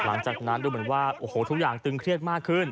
หลังจากนั้นดูเหมือนว่าโอ้โหทุกอย่างตึงเครียดมากขึ้น